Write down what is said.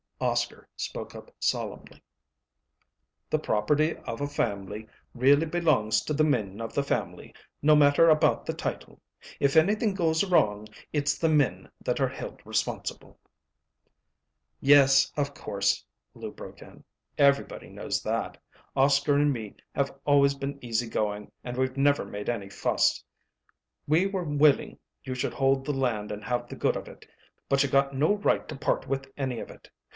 Oscar spoke up solemnly. "The property of a family really belongs to the men of the family, no matter about the title. If anything goes wrong, it's the men that are held responsible." "Yes, of course," Lou broke in. "Everybody knows that. Oscar and me have always been easy going and we've never made any fuss. We were willing you should hold the land and have the good of it, but you got no right to part with any of it.